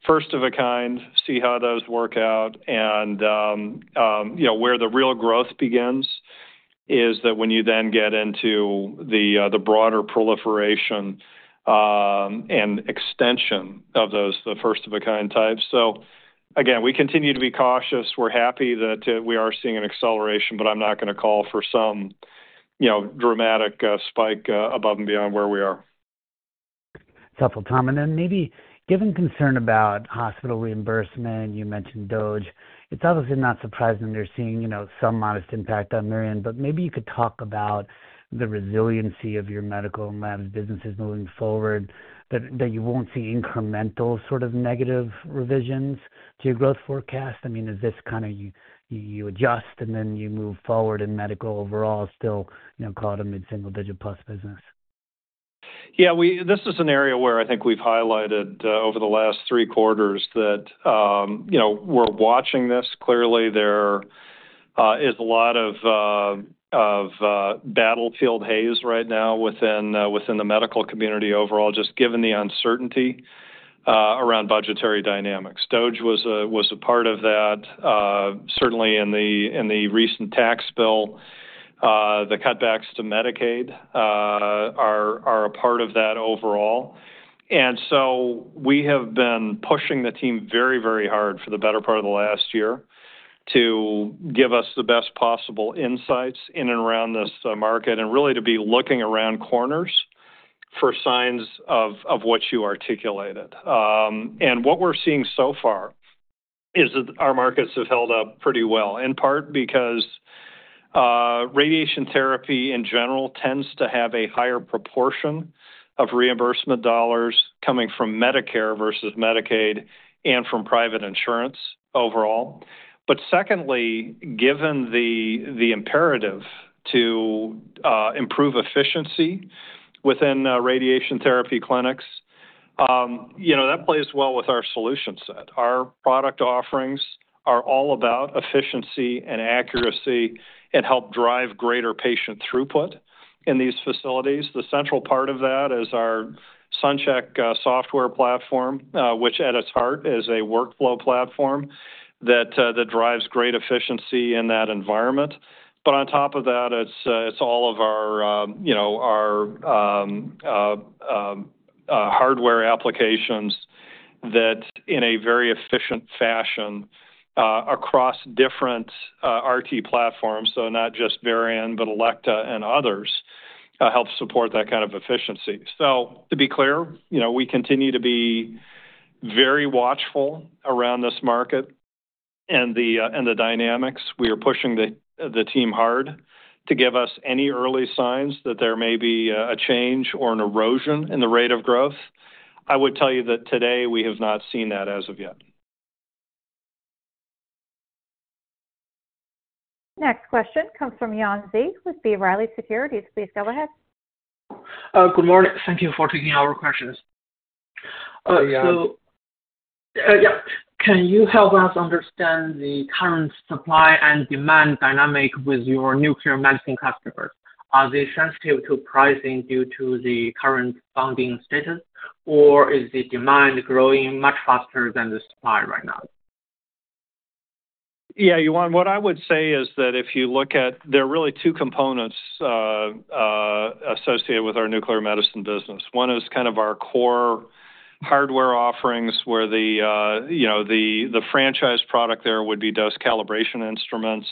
first-of-a-kind, see how those work out. Where the real growth begins is that when you then get into the broader proliferation and extension of those, the first-of-a-kind types. We continue to be cautious. We're happy that we are seeing an acceleration, but I'm not going to call for some dramatic spike above and beyond where we are. Successful, Tom. Maybe given concern about hospital reimbursement, you mentioned DOGE. It's obviously not surprising they're seeing some modest impact on Mirion. Maybe you could talk about the resiliency of your medical and labs businesses moving forward, that you won't see incremental sort of negative revisions to your growth forecast. I mean, is this kind of you adjust and then you move forward in medical overall still, you know, call it a mid-single-digit + business? Yeah, this is an area where I think we've highlighted over the last three quarters that, you know, we're watching this. Clearly, there is a lot of battlefield haze right now within the medical community overall, just given the uncertainty around budgetary dynamics. DOGE was a part of that. Certainly, in the recent tax bill, the cutbacks to Medicaid are a part of that overall. We have been pushing the team very, very hard for the better part of the last year to give us the best possible insights in and around this market and really to be looking around corners for signs of what you articulated. What we're seeing so far is that our markets have held up pretty well, in part because radiation therapy in general tends to have a higher proportion of reimbursement dollars coming from Medicare versus Medicaid and from private insurance overall. Secondly, given the imperative to improve efficiency within radiation therapy clinics, you know, that plays well with our solution set. Our product offerings are all about efficiency and accuracy and help drive greater patient throughput in these facilities. The central part of that is our SunCHECK software platform, which at its heart is a workflow platform that drives great efficiency in that environment. On top of that, it's all of our hardware applications that, in a very efficient fashion, across different RT platforms, not just Varian, but Elekta and others, help support that kind of efficiency. To be clear, you know, we continue to be very watchful around this market and the dynamics. We are pushing the team hard to give us any early signs that there may be a change or an erosion in the rate of growth. I would tell you that today we have not seen that as of yet. Next question comes from Yuan Zhi with B. Riley Securities. Please go ahead. Good morning. Thank you for taking our questions. Can you help us understand the current supply and demand dynamic with your nuclear medicine customers? Are they sensitive to pricing due to the current funding status, or is the demand growing much faster than the supply right now? Yeah, Yuan, what I would say is that if you look at, there are really two components associated with our nuclear medicine business. One is kind of our core hardware offerings where the, you know, the franchise product there would be dose calibration instruments.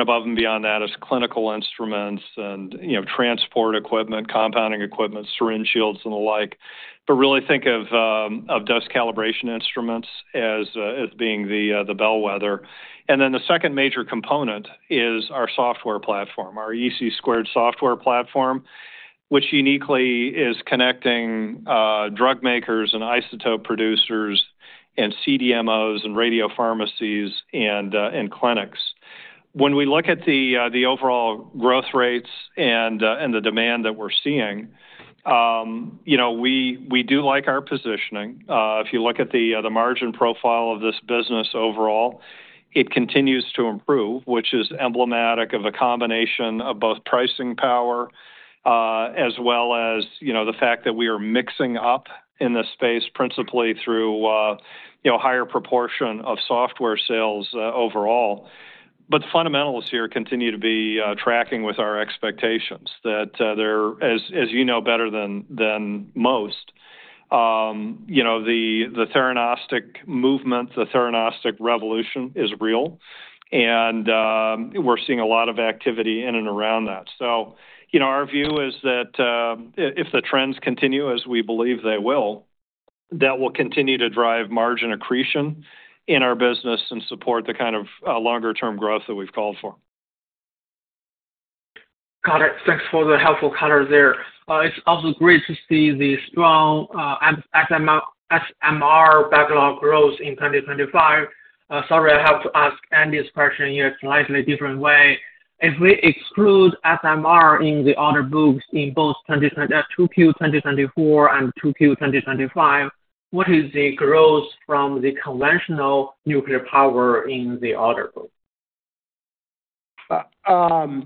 Above and beyond that is clinical instruments and, you know, transport equipment, compounding equipment, syringe shields, and the like. Really think of dose calibration instruments as being the bellwether. The second major component is our software platform, our EC2 ² software platform, which uniquely is connecting drug makers and isotope producers and CDMOs and radiopharmacies and clinics. When we look at the overall growth rates and the demand that we're seeing, you know, we do like our positioning. If you look at the margin profile of this business overall, it continues to improve, which is emblematic of a combination of both pricing power as well as, you know, the fact that we are mixing up in this space principally through a higher proportion of software sales overall. The fundamentals here continue to be tracking with our expectations that they're, as you know better than most, you know, the Theranostic movement, the Theranostic revolution is real. We're seeing a lot of activity in and around that. Our view is that if the trends continue, as we believe they will, that will continue to drive margin accretion in our business and support the kind of longer-term growth that we've called for. Got it. Thanks for the helpful color there. It's also great to see the strong SMR backlog growth in 2025. Sorry, I have to ask Andy's question in a slightly different way. If we exclude SMR in the order books in both Q2 2024 and Q2 2025, what is the growth from the conventional nuclear power in the order book? I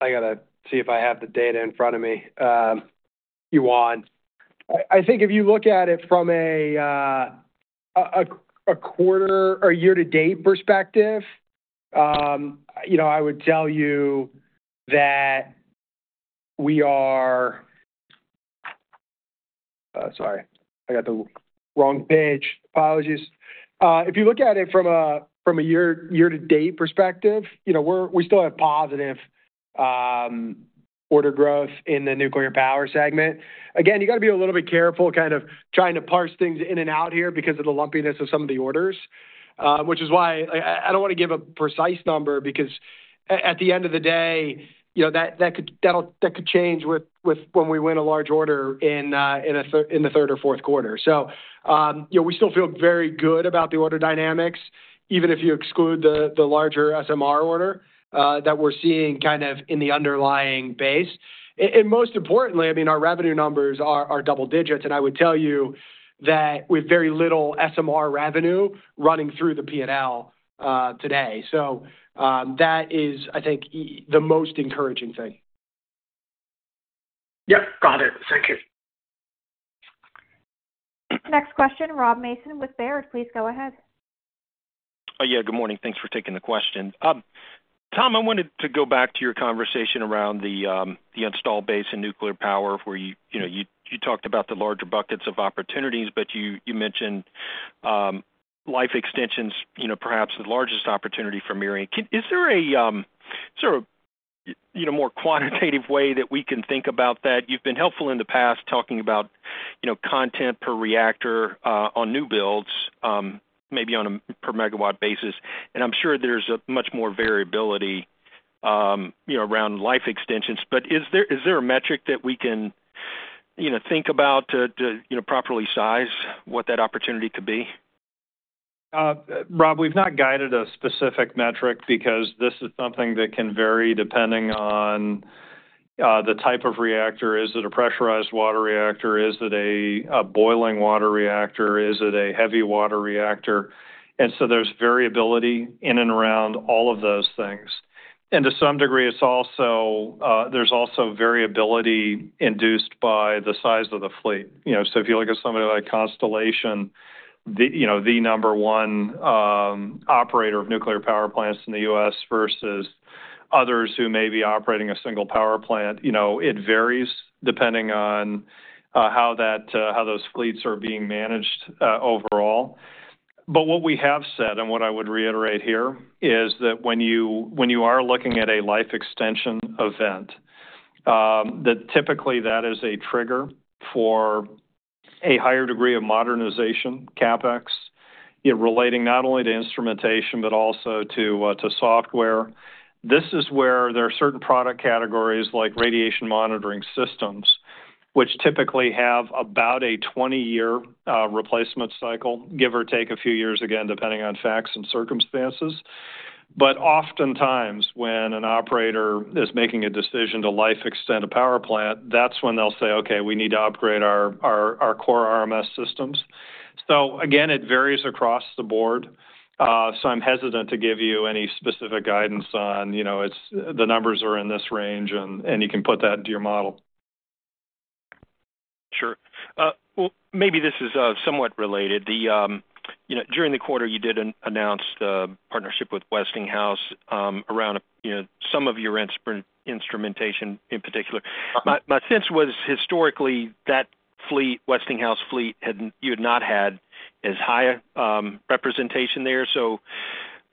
got to see if I have the data in front of me, Yuan. I think if you look at it from a quarter or a year-to-date perspective, you know, I would tell you that we are, sorry, I got the wrong page. Apologies. If you look at it from a year-to-date perspective, you know, we still have positive order growth in the nuclear power segment. You got to be a little bit careful kind of trying to parse things in and out here because of the lumpiness of some of the orders, which is why I don't want to give a precise number because at the end of the day, you know, that could change with when we win a large order in the third or Q4. You know, we still feel very good about the order dynamics, even if you exclude the larger SMR order that we're seeing kind of in the underlying base. Most importantly, I mean, our revenue numbers are double-digits, and I would tell you that with very little SMR revenue running through the P&L today. That is, I think, the most encouraging thing. Yeah, got it. Thank you. Next question, Rob Mason with Baird. Please go ahead. Yeah, good morning. Thanks for taking the question. Tom, I wanted to go back to your conversation around the installed base and nuclear power where you talked about the larger buckets of opportunities. You mentioned life extensions, you know, perhaps the largest opportunity for Mirion. Is there a more quantitative way that we can think about that? You've been helpful in the past talking about, you know, content per reactor on new builds, maybe on a per MW basis. I'm sure there's much more variability, you know, around life extensions. Is there a metric that we can, you know, think about to, you know, properly size what that opportunity could be? Rob, we've not guided a specific metric because this is something that can vary depending on the type of reactor. Is it a pressurized water reactor? Is it a boiling water reactor? Is it a heavy water reactor? There's variability in and around all of those things. To some degree, there's also variability induced by the size of the fleet. If you look at somebody like Constellation, the number one operator of nuclear power plants in the U.S., versus others who may be operating a single power plant, it varies depending on how those fleets are being managed overall. What we have said, and what I would reiterate here, is that when you are looking at a life extension event, typically that is a trigger for a higher degree of modernization, CapEx, relating not only to instrumentation but also to software. This is where there are certain product categories like radiation monitoring systems, which typically have about a 20-year replacement cycle, give or take a few years, depending on facts and circumstances. Oftentimes, when an operator is making a decision to life extend a power plant, that's when they'll say, "Okay, we need to upgrade our core RMS systems." It varies across the board. I'm hesitant to give you any specific guidance on, you know, the numbers are in this range and you can put that into your model. Sure. Maybe this is somewhat related. During the quarter, you did announce the partnership with Westinghouse around some of your instrumentation in particular. My sense was historically that Westinghouse fleet had, you had not had as high a representation there.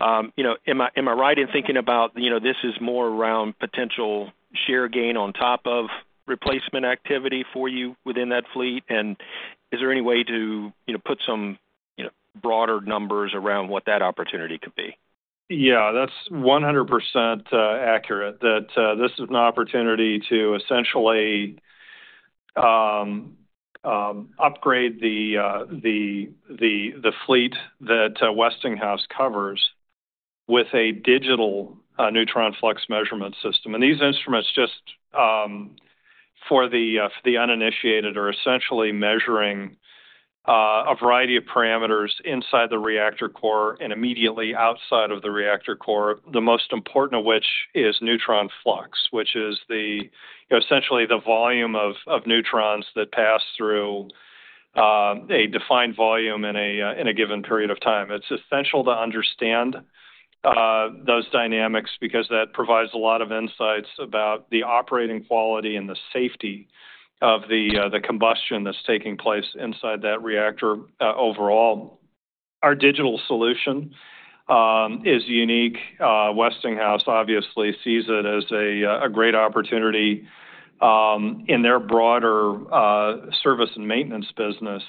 Am I right in thinking about, this is more around potential share gain on top of replacement activity for you within that fleet? Is there any way to put some broader numbers around what that opportunity could be? Yeah, that's 100% accurate that this is an opportunity to essentially upgrade the fleet that Westinghouse covers with a digital neutron flux measurement system. These instruments, just for the uninitiated, are essentially measuring a variety of parameters inside the reactor core and immediately outside of the reactor core, the most important of which is neutron flux, which is essentially the volume of neutrons that pass through a defined volume in a given period of time. It's essential to understand those dynamics because that provides a lot of insights about the operating quality and the safety of the combustion that's taking place inside that reactor overall. Our digital solution is unique. Westinghouse obviously sees it as a great opportunity in their broader service and maintenance business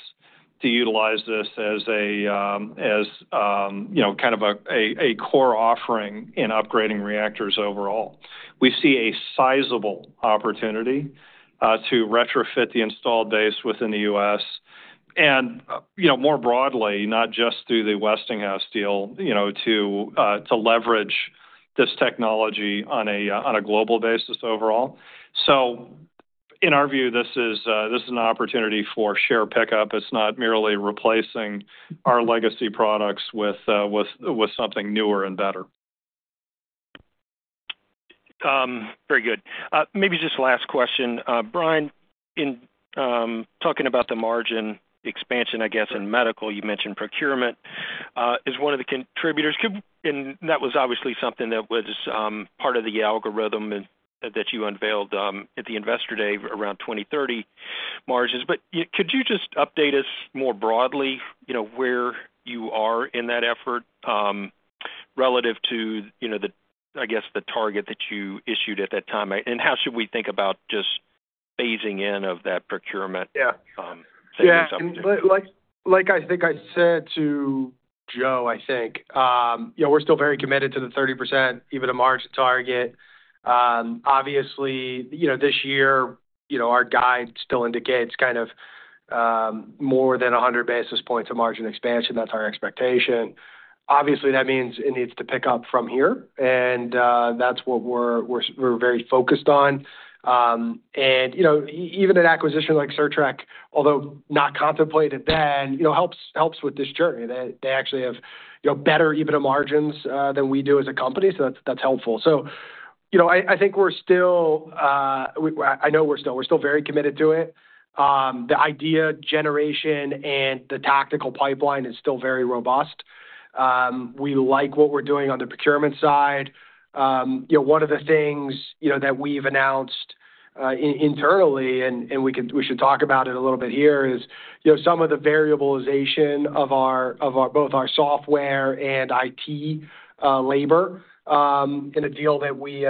to utilize this as a, you know, kind of a core offering in upgrading reactors overall. We see a sizable opportunity to retrofit the installed base within the U.S. and, you know, more broadly, not just through the Westinghouse deal, you know, to leverage this technology on a global basis overall. In our view, this is an opportunity for share pickup. It's not merely replacing our legacy products with something newer and better. Very good. Maybe just a last question. Brian, in talking about the margin expansion, I guess, in Medical, you mentioned procurement is one of the contributors. That was obviously something that was part of the algorithm that you unveiled at the Investor Day around 20,30 margins. Could you just update us more broadly, you know, where you are in that effort relative to, you know, I guess the target that you issued at that time? How should we think about just phasing in of that procurement? Yeah, like I think I said to Joe, I think, you know, we're still very committed to the 30% EBITDA margin target. Obviously, you know, this year, you know, our guide still indicates kind of more than 100 basis points of margin expansion. That's our expectation. Obviously, that means it needs to pick up from here. That's what we're very focused on. Even an acquisition like Certrec, although not contemplated then, helps with this journey. They actually have, you know, better EBITDA margins than we do as a company. That's helpful. I think we're still, I know we're still, we're still very committed to it. The idea generation and the tactical pipeline is still very robust. We like what we're doing on the procurement side. One of the things that we've announced internally, and we should talk about it a little bit here, is some of the variabilization of both our software and IT labor in a deal that we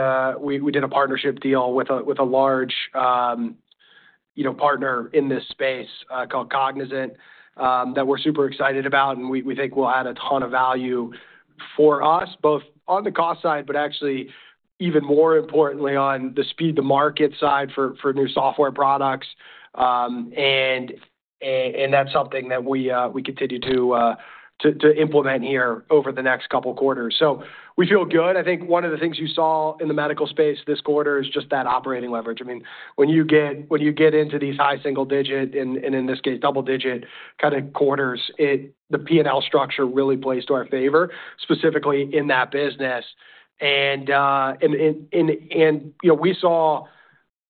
did, a partnership deal with a large partner in this space called Cognizant that we're super excited about. We think we'll add a ton of value for us, both on the cost side, but actually even more importantly on the speed-to-market side for new software products. That's something that we continue to implement here over the next couple of quarters. We feel good. I think one of the things you saw in the medical space this quarter is just that operating leverage. I mean, when you get into these high single-digit and in this case, double-digit kind of quarters, the P&L structure really plays to our favor, specifically in that business. We saw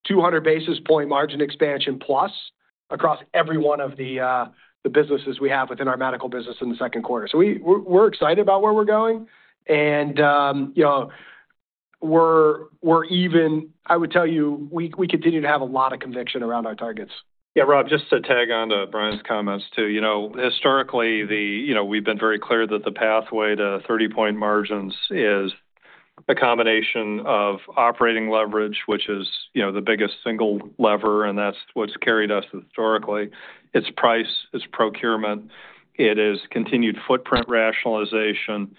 200 basis point margin expansion plus across every one of the businesses we have within our medical business in the Q2. We're excited about where we're going. I would tell you, we continue to have a lot of conviction around our targets. Yeah, Rob, just to tag on to Brian's comments too, historically, we've been very clear that the pathway to 30% margins is a combination of operating leverage, which is the biggest single lever, and that's what's carried us historically. It's price, it's procurement, it is continued footprint rationalization.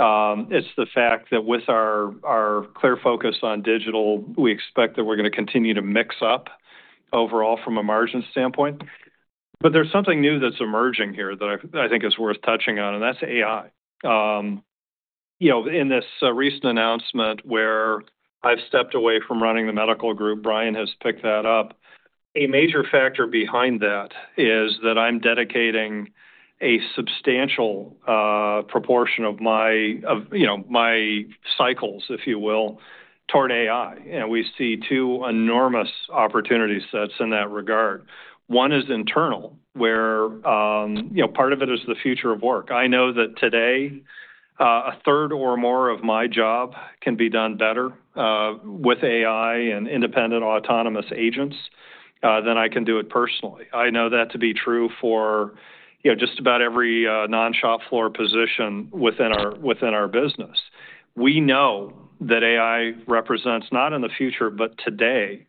It's the fact that with our clear focus on digital, we expect that we're going to continue to mix up overall from a margin standpoint. There's something new that's emerging here that I think is worth touching on, and that's AI. In this recent announcement where I've stepped away from running the Medical Group, Brian has picked that up. A major factor behind that is that I'm dedicating a substantial proportion of my cycles, if you will, toward AI. We see two enormous opportunity sets in that regard. One is internal, where part of it is the future of work. I know that today, a third or more of my job can be done better with AI and independent autonomous agents than I can do it personally. I know that to be true for just about every non-shop floor position within our business. We know that AI represents, not in the future, but today,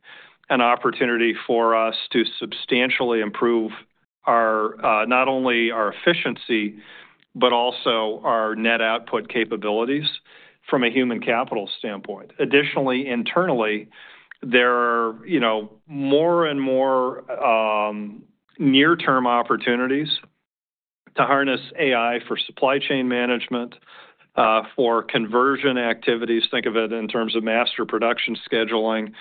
an opportunity for us to substantially improve not only our efficiency, but also our net output capabilities from a human capital standpoint. Additionally, internally, there are more and more near-term opportunities to harness AI for supply chain management, for conversion activities. Think of it in terms of master production scheduling,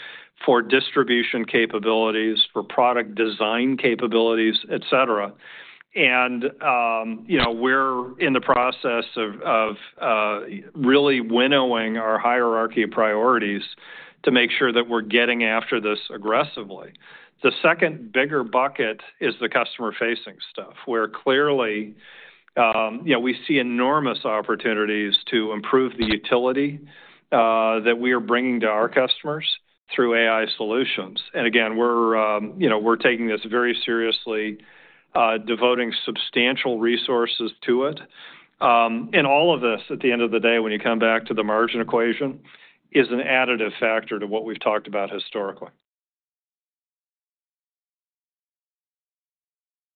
for distribution capabilities, for product design capabilities, etc. We're in the process of really winnowing our hierarchy of priorities to make sure that we're getting after this aggressively. The second bigger bucket is the customer-facing stuff, where clearly, we see enormous opportunities to improve the utility that we are bringing to our customers through AI solutions. We're taking this very seriously, devoting substantial resources to it. All of this, at the end of the day, when you come back to the margin equation, is an additive factor to what we've talked about historically.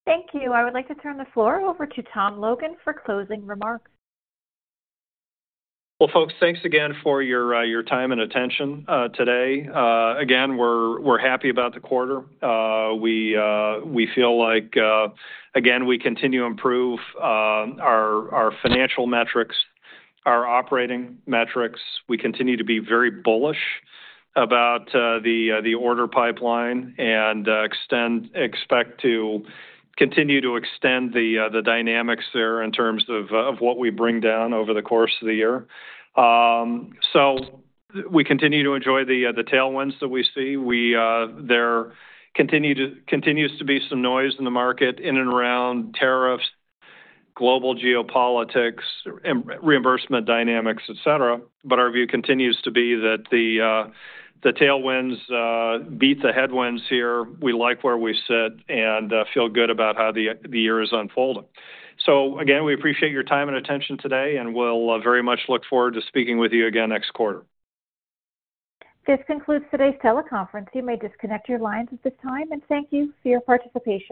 Thank you. I would like to turn the floor over to Tom Logan for closing remarks. Thank you again for your time and attention today. We're happy about the quarter. We feel like we continue to improve our financial metrics and our operating metrics. We continue to be very bullish about the order pipeline and expect to continue to extend the dynamics there in terms of what we bring down over the course of the year. We continue to enjoy the tailwinds that we see. There continues to be some noise in the market in and around tariffs, global geopolitics, and reimbursement dynamics, etc. Our view continues to be that the tailwinds beat the headwinds here. We like where we sit and feel good about how the year is unfolding. We appreciate your time and attention today, and we'll very much look forward to speaking with you again next quarter. This concludes today's teleconference. You may disconnect your lines at this time, and thank you for your participation.